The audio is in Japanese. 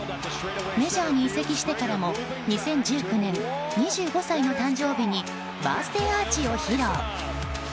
メジャーに移籍してからも２０１９年２５歳の誕生日にバースデーアーチを披露。